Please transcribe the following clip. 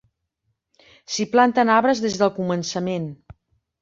S'hi planten arbres des del començament.